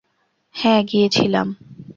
হ্যাঁ, গিয়েছিলাম।